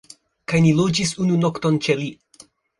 Kaj ni loĝis unu nokton ĉe li